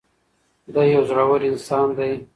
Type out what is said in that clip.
دی یو زړور انسان دی.